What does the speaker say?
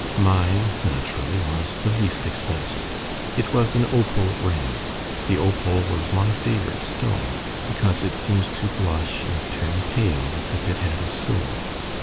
Mine, naturally, was the least expensive; it was an opal ring the opal was my favourite stone, because it seems to blush and turn pale as if it had a soul.